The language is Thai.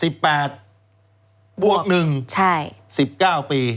บวก๑๑๙ปี